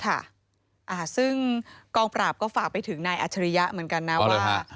ค่ะอ่าซึ่งกองปราบก็ฝากไปถึงนายอัจฉริยะเหมือนกันนะว่า